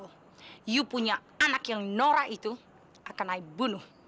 kamu punya anak yang norak itu akan saya bunuh